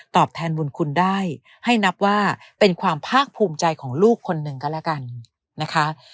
แทนบุญคุณได้ให้นับว่าเป็นความภาคภูมิใจของลูกคนหนึ่งก็แล้วกันนะคะ